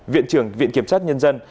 viện trưởng viện kiểm sát nhân dân